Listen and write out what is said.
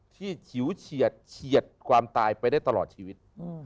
ฉิวเฉียดเฉียดความตายไปได้ตลอดชีวิต